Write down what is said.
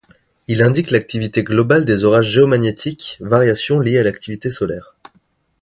Il indique l’activité globale des orages géomagnétiques, variations liées à l’activité solaire.